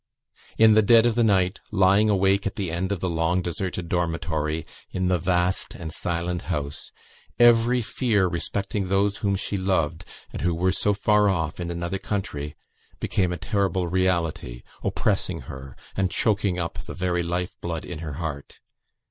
In the dead of the night, lying awake at the end of the long deserted dormitory, in the vast and silent house, every fear respecting those whom she loved, and who were so far off in another country, became a terrible reality, oppressing her and choking up the very life blood in her heart.